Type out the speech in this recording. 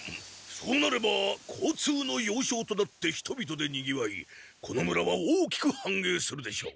そうなれば交通のようしょうとなって人々でにぎわいこの村は大きくはんえいするでしょう。